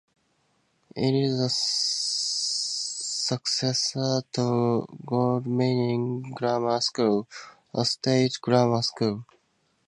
It is the successor to Godalming Grammar School, a state grammar school.